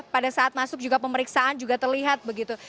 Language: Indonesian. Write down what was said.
pada saat masuk juga pemeriksaan juga terlihat begitu